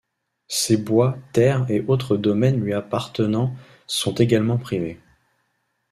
Ses bois, terres, et autres domaines lui appartenant sont également privés.